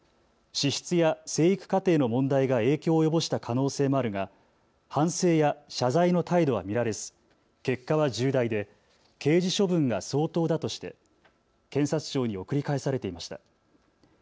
資質や成育過程の問題が影響を及ぼした可能性もあるが反省や謝罪の態度は見られず結果は重大で刑事処分が相当だとして検察庁に送り返されていました。